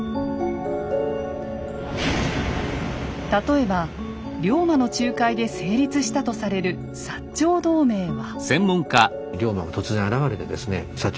例えば龍馬の仲介で成立したとされる長同盟は。